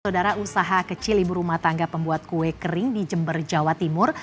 saudara usaha kecil ibu rumah tangga pembuat kue kering di jember jawa timur